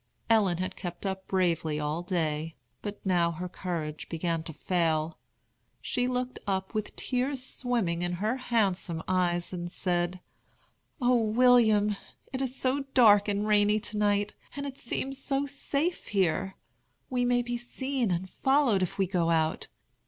Ellen had kept up bravely all day, but now her courage began to fail. She looked up with tears swimming in her handsome eyes and said: "O William, it is so dark and rainy to night, and it seems so safe here! We may be seen and followed, if we go out.